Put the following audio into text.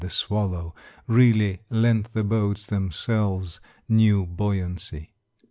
*' The Swallow^' really lent the boats themselves new buoyancy.